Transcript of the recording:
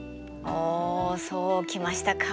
おそう来ましたか。